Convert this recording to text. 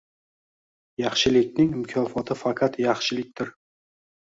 Yaxshilikning mukofoti faqat yaxshilikdir